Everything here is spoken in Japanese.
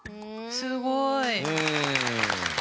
すごい。